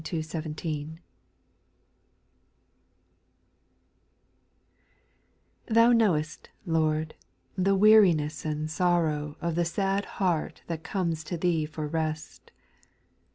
^^ rpHOU knowest," Lord, the weariness and X sorrow Of the sad heart that comes to Thee for rest.